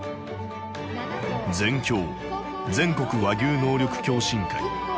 全共全国和牛能力共進会。